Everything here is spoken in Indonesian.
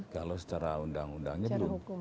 kalau secara undang undangnya belum